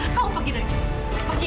kamu pergi dari sini